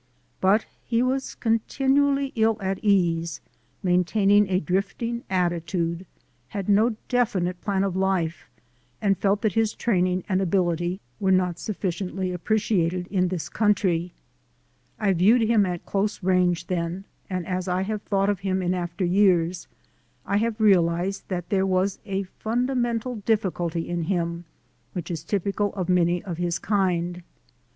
But he was con tinually ill at ease, maintained a drifting attitude, had no definite plan of life, and felt that his training and ability were not sufficiently appreciated in this 250 THE SOUL OF AN IMMIGRANT country. I viewed him at close range then, and as I have thought of him in after years, I have realized that there was a fundamental difficulty in him which is typical of many of his kind.